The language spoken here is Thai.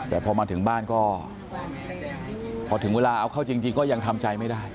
แต่พอมาถึงบ้านก็พอถึงเวลาเอาเข้าจริงก็ยังทำใจไม่ได้